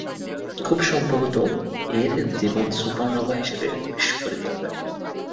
খুব সম্ভবত এর জীবন সুপারনোভা হিসেবে বিস্ফোরিত হবে।